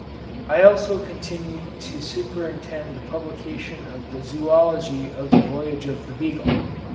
I also continued to superintend the publication of the 'Zoology of the Voyage of the "Beagle".